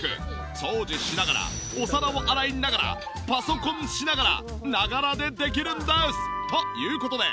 掃除しながらお皿を洗いながらパソコンしながらながらでできるんです！という事で。